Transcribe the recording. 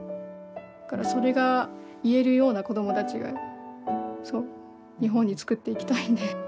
だからそれが言えるような子供たちがそう日本につくっていきたいんで。